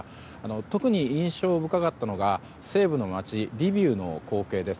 特に、印象深かったのが西部の街リビウの光景です。